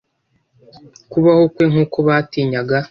kubaho kwe nk’uko batinyaga